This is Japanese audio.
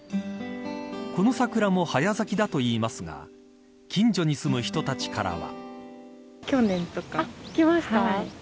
この桜も早咲きだといいますが近所に住む人たちからは。